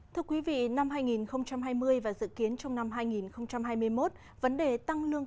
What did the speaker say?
thưa quý vị năm hai nghìn hai mươi và dự kiến trong năm hai nghìn hai mươi một vấn đề tăng lương